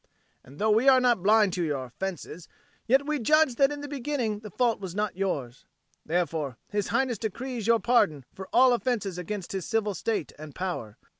And though we are not blind to your offences, yet we judge that in the beginning the fault was not yours. Therefore His Highness decrees your pardon for all offences against his civil state and power.